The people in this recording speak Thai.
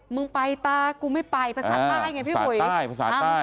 มึงไปตากูไม่ไปภาษาใต้ไงพี่หวย